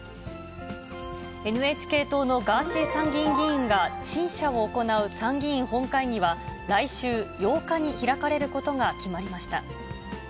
ＮＨＫ党のガーシー参議院議員が陳謝を行う参議院本会議は、来週８日に開かれることが決まりました。